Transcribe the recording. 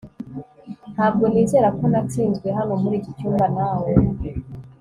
ntabwo nizera ko natsinzwe hano muri iki cyumba nawe